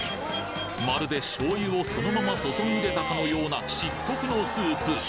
まるで醤油をそのまま注ぎ入れたかのような漆黒のスープ